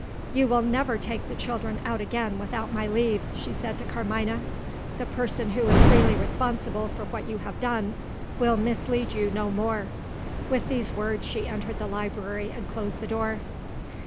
"You will never take the children out again without my leave," she said to Carmina. "The person who is really responsible for what you have done, will mislead you no more." With those words she entered the library, and closed the door.